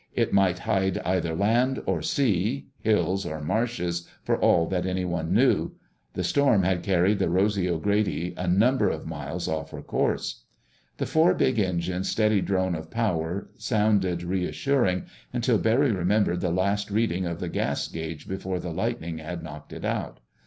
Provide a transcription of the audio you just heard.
It might hide either land or sea, hills or marshes, for all that anyone knew. The storm had carried the Rosy O'Grady a number of miles off her course. The four big engines' steady drone of power sounded reassuring, until Barry remembered the last reading of the gas gauge before the lightning had knocked it out.